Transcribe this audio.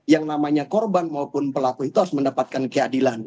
yang namanya korban maupun pelaku itu harus mendapatkan keadilan